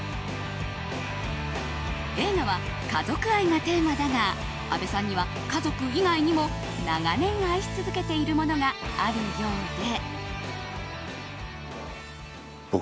映画は家族愛がテーマだが阿部さんには家族以外にも長年愛し続けているものがあるようで。